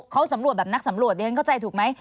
เขาสำรวจแบบนักสำรวจดิฉันเข้าใจถูกไหม